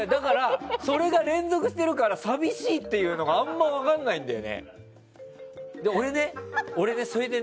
それが連続してるから寂しいっていうのがあんまり分からないんだよね。